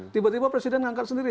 tiba tiba presiden ngangkat sendiri